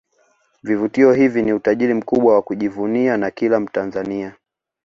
Vivutio hivi ni utajiri mkubwa wa kujivunia na kila Mtanzania